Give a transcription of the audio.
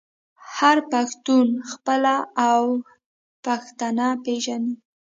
هر پښتون خپل اوه پيښته پیژني.